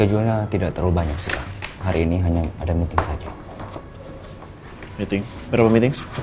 udah udah udah satpam